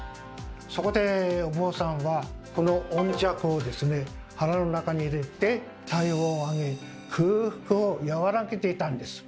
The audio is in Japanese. そこでお坊さんはこの温石をですね腹の中に入れて体温を上げ空腹を和らげていたんです。